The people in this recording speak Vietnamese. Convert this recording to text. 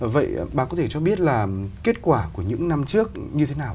vậy bà có thể cho biết là kết quả của những năm trước như thế nào